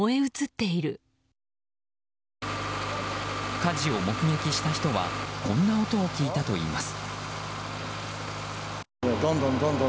火事を目撃した人はこんな音を聞いたといいます。